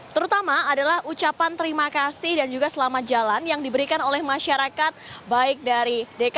terutama adalah ucapan terima kasih dan juga selamat jalan yang diberikan oleh masyarakat baik dari dki jakarta